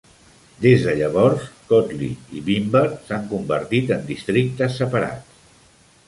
Des de llavors, Kotli i Bhimber s'han convertit en districtes separats.